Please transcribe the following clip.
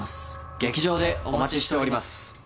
劇場でお待ちしております